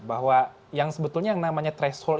bahwa yang sebetulnya yang namanya threshold